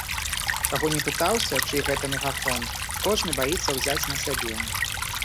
Каго не пытаўся, чый гэта мегафон, кожны баіцца ўзяць на сябе!